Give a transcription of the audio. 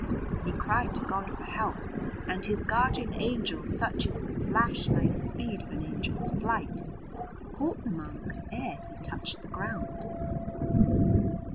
He cried to God for help, and his guardian angel such is the flashlike speed of an angel's flight caught the monk ere he touched the ground.